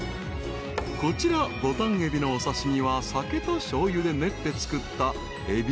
［こちらボタンエビのお刺し身は酒としょうゆで練って作ったえび